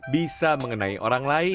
bisa mengenakan besi